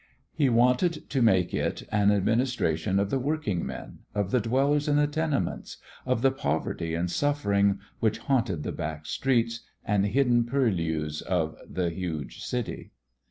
He wanted to make it an administration of the workingmen, of the dwellers in the tenements, of the poverty and suffering which haunted the back streets and hidden purlieus of the huge city.